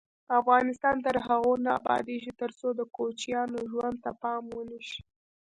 افغانستان تر هغو نه ابادیږي، ترڅو د کوچیانو ژوند ته پام ونشي.